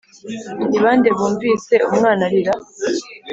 Ni bande bumvise umwana arira